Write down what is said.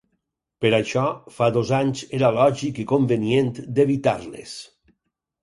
Per això, fa dos anys era lògic i convenient d’evitar-les.